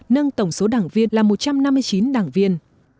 nâng tổng số đảng viên là một trăm năm mươi chín đảng viên